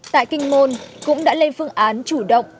tại kinh môn cũng đã lên phương án chủ động